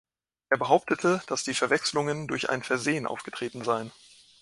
Er behauptete, dass die Verwechslungen durch ein Versehen aufgetreten seien.